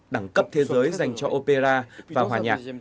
đẳng cấp thế giới dành cho opera và hòa nhạc